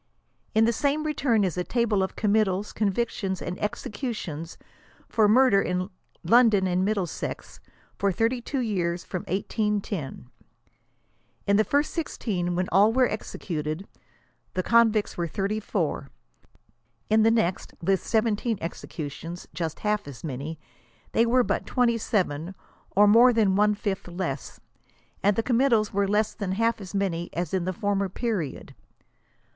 In the same return is a table of committals, convictions and executions for murder in London and Middlesex, for 32 years from 1810. In the first 16, when all were executed, the convicts were 34. In the next, with 17 executions — just half as many — they were but 27| or more than one fiAh less ; and the committals were less than half as many as in the former period.